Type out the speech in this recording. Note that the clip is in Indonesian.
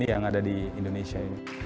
g dua puluh yang ada di indonesia ini